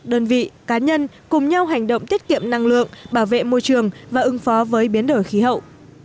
đơn vị cá nhân cùng nhau hành động tiết kiệm năng lượng bảo vệ môi trường và ứng phó với biến đổi khí hậu